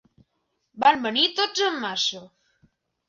Van venir tots en massa.